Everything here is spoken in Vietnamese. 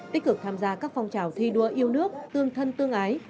tích cực tham gia các phong trào thi đua yêu nước tương thân tương ái